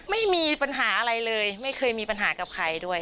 ไม่มีปัญหาอะไรเลยไม่เคยมีปัญหากับใครด้วย